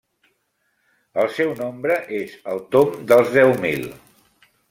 El seu nombre és al tomb dels deu mil.